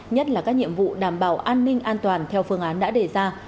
nhất là các nhiệm vụ đảm bảo an ninh an toàn theo phương án đã đề ra